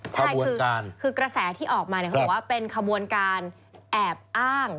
ใช่คือกระแสที่ออกมาเขาบอกว่าเป็นขบวนการแอบอ้าง